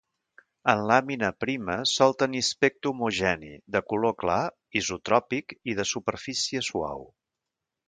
En làmina prima sol tenir aspecte homogeni, de color clar, isotròpic i de superfície suau.